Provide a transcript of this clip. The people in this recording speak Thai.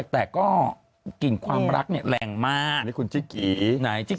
แต่ก็กลิ่นความรักแรงมาก